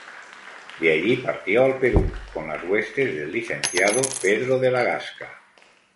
De allí partió al Perú, con las huestes del licenciado Pedro de la Gasca.